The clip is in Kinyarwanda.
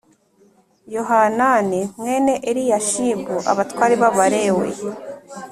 Yohanani mwene Eliyashibu Abatware b’Abalewi